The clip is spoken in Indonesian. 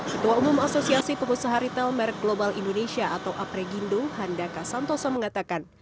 ketua umum asosiasi pemusaha ritel merk global indonesia atau apregindo handa kasantosa mengatakan